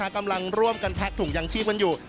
กำลังร่วมกันแพ็กถุงยางชีพกันอยู่